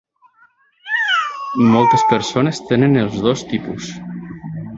Moltes persones tenen els dos tipus.